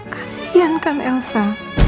kasian kan elsa